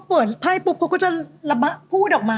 พอเปิดไพร่ปุ๊บเขาก็จะระบะพูดออกมา